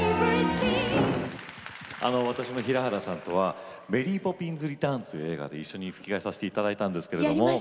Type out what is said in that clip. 私も平原さんとは「メリー・ポピンズリターンズ」という映画で一緒に吹き替えをさせていただきました。